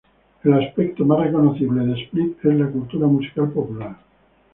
El aspecto más reconocible de Split es la cultura musical popular.